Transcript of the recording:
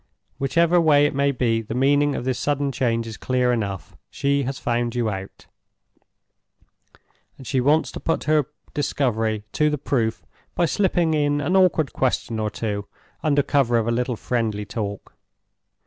Whichever way it may be, the meaning of this sudden change is clear enough. She has found you out; and she wants to put her discovery to the proof by slipping in an awkward question or two, under cover of a little friendly talk.